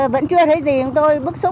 vẫn chưa thấy gì chúng tôi bức xúc